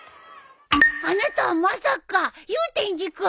あなたはまさか祐天寺君！？